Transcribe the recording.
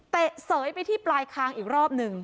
เสยไปที่ปลายคางอีกรอบหนึ่ง